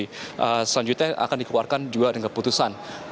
selanjutnya akan dikeluarkan juga dengan keputusan